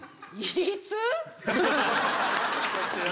いつ？